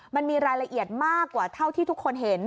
มันมีรายละเอียดมากกว่าเท่าที่ทุกคนเห็น